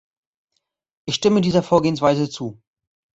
Ich stimme dieser Vorgehensweise zu.